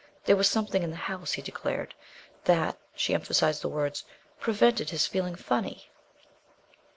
There was something in the house, he declared, that" she emphasized the words "prevented his feeling funny."